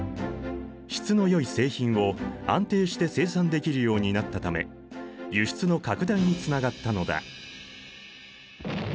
質のよい製品を安定して生産できるようになったため輸出の拡大につながったのだ。